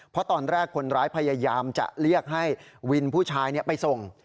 เพราะตอนแรกคนร้ายพยายามจะเรียกให้วินผู้ชายไปส่ง